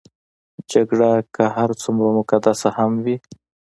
جګړه که هر څومره مقدسه هم وي.